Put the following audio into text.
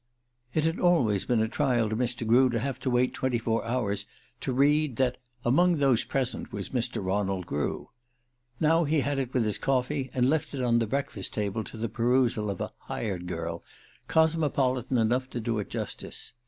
It had always been a trial to Mr. Grew to have to wait twenty four hours to read that "among those present was Mr. Ronald Grew." Now he had it with his coffee, and left it on the breakfast table to the perusal of a "hired girl" cosmopolitan enough to do it justice.